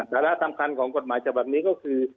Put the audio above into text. ฐานะสำคัญของกฎหมายฉบับนี้ก็คือ